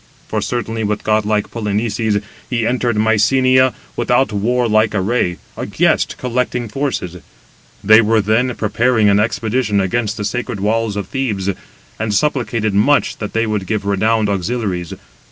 For certainly with godlike Polynices he entered Mycenæ without warlike array, a guest, collecting forces: they 187 were then preparing an expedition against the sacred walls of Thebes, and supplicated much that they would give renowned auxiliaries.